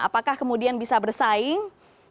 apakah kemudian bisa bersaing